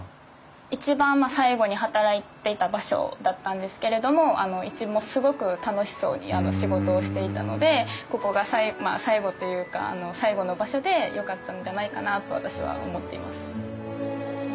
一番最後に働いていた場所だったんですけれどもいつもすごく楽しそうに仕事をしていたのでここが最後というか最後の場所でよかったんじゃないかなと私は思っています。